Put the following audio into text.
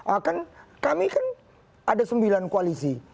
oh kan kami kan ada sembilan koalisi